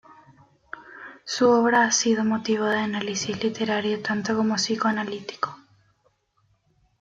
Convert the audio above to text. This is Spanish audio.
Su obra ha sido motivo de análisis literario tanto como psicoanalítico.